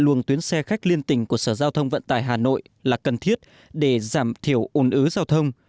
luồng tuyến xe khách liên tình của sở giao thông vận tài hà nội là cần thiết để giảm thiểu ồn ứa giao thông